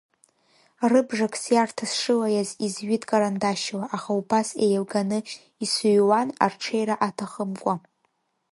Рыбжак сиарҭа сшылаиаз изҩит карандашьла, аха убас еилганы исҩуан арҽеира аҭахымкәа.